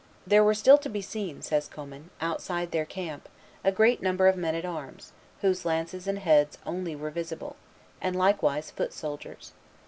"There were still to be seen," says Commynes, "outside their camp, a great number of men at arms, whose lances and heads only were visible, and likewise foot soldiers.